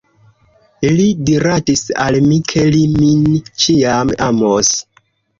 Li diradis al mi, ke li min ĉiam amos.